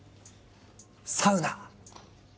サウナ！